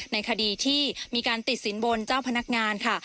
ในคดีที่มีการติดสินบนเจ้าพนักงานค่ะ